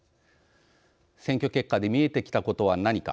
選挙結果で見えてきたことは何か。